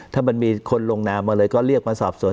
ถ้ามันมีคนลงนามมาเลยก็เรียกมาสอบสวน